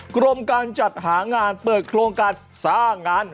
กรมการจัดหางานเปิดโครงการสร้างงาน